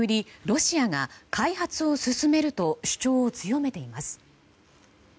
ロシアが開発を進めると主張を強めています。